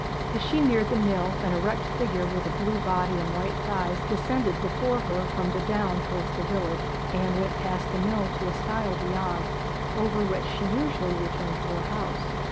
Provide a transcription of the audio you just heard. As she neared the mill an erect figure with a blue body and white thighs descended before her from the down towards the village, and went past the mill to a stile beyond, over which she usually returned to her house.